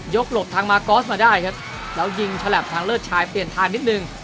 หลบทางมากอสมาได้ครับแล้วยิงฉลับทางเลิศชายเปลี่ยนทางนิดนึง